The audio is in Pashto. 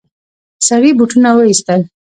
سړي بوټونه وايستل.